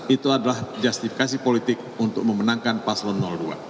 itu adalah justifikasi politik untuk memenangkan paslon dua